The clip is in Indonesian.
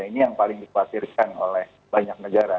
ini yang paling dikhawatirkan oleh banyak negara